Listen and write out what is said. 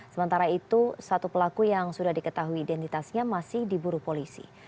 sementara itu satu pelaku yang sudah diketahui identitasnya masih diburu polisi